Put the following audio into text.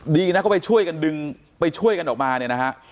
ดีนะก็ไปช่วยกันดึงไปช่วยกันออกมาเนี่ยนะฮะ